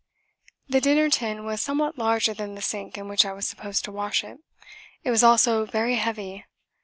The dinner tin was somewhat larger than the sink in which I was supposed to wash it. It was also very heavy.